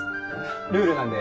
ルールなんで。